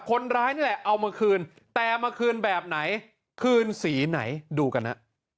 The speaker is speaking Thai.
คนร้ายนี่แหละเอามาคืนแต่มาคืนแบบไหนคืนสีไหนดูกันฮะ